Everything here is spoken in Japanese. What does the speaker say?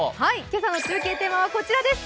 今朝の中継テーマはこちらです。